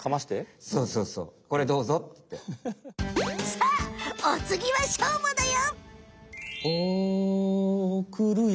さあおつぎはしょうまだよ！